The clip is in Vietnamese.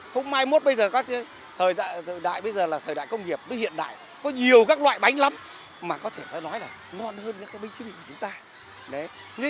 không may mốt bây giờ thời đại công nghiệp hiện đại có nhiều các loại bánh lắm mà có thể nói là ngon hơn những cái bánh trưng của chúng ta